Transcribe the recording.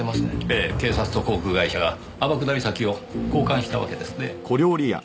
ええ警察と航空会社が天下り先を交換したわけですねぇ。